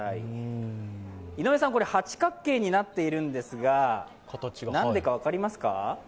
井上さん、八角形になっているんですが、なんでか分かりますか？